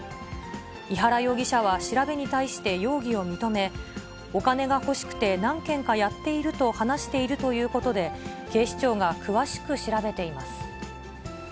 井原容疑者は調べに対して容疑を認め、お金が欲しくて、何件かやっていると話しているということで、警視庁が詳しく調べています。